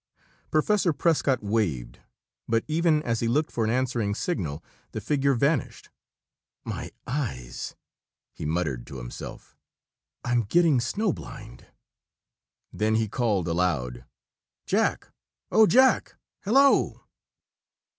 Professor Prescott waved, but even as he looked for an answering signal, the figure vanished. "My eyes!" he muttered to himself. "I'm getting snow blind." Then he called aloud: "Jack! Oh, Jack! Hello!"